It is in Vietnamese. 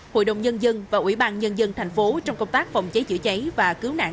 hội đồng nhân dân và ubnd tp hcm trong công tác phòng cháy chữa cháy và cứu nạn